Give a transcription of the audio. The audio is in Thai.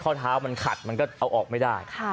ข้อเท้ามันขัดมันก็เอาออกไม่ได้